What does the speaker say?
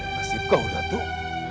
nasib kau datuk